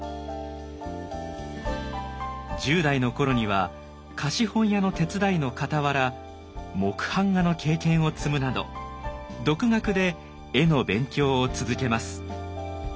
１０代の頃には貸本屋の手伝いのかたわら木版画の経験を積むなど独学で絵の勉強を続けます。